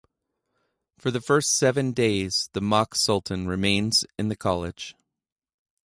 For the first seven days the mock sultan remains in the college.